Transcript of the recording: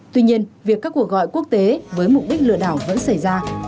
tuy nhiên việc các cuộc gọi quốc tế với mục đích lừa đảo vẫn xảy ra